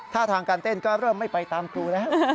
ท่าทางการเต้นก็เริ่มไม่ไปตามครูแล้ว